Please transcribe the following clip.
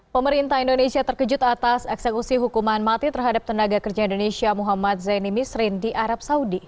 pemerintah indonesia terkejut atas eksekusi hukuman mati terhadap tenaga kerja indonesia muhammad zaini misrin di arab saudi